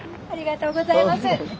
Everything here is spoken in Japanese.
ありがとうございます。